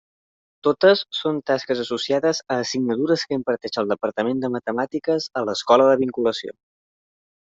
Totes són tasques associades a assignatures que imparteix el departament de Matemàtiques a l'escola de vinculació.